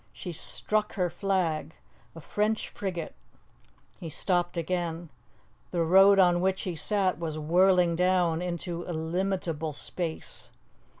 She struck her flag. A French frigate " He stopped again. The road on which he sat was whirling down into illimitable space.